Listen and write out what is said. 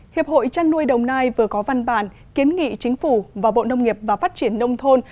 hiệp hội chăn nuôi đồng nai vừa có văn bản kiến nghị chính phủ và bộ nông nghiệp và phát triển nông thôn